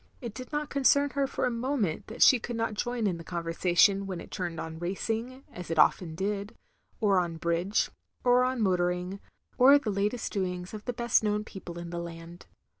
It did not concern her for a moment that she could not join in the conversation when it turned on racing, as it often did, or on bridge, or on motoring, or the latest doings of the best known people in the land.